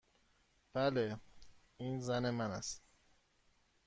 بله. این زن من است.